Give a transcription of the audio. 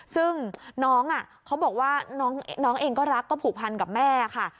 ซึ่งน้องเขาบอกว่าน้องเองก็รักก็ผูกพันกับแม่ค่ะ